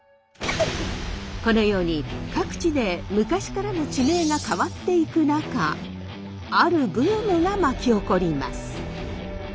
このように各地で昔からの地名が変わっていく中あるブームが巻き起こります。